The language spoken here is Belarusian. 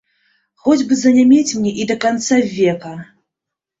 Хоць бы занямець мне і да канца века!